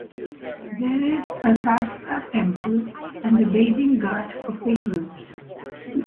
There is a Sastha Temple and a Bathing Ghat for pilgrims.